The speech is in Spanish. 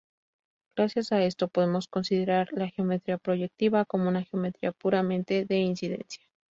Gracias a esto, podemos considerar la geometría proyectiva como una geometría puramente de incidencia.